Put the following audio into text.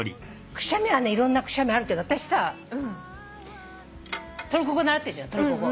くしゃみはねいろんなくしゃみあるけど私さトルコ語習ってるじゃんトルコ語。